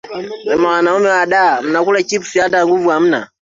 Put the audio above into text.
Tumia simu yako kuwapigia simu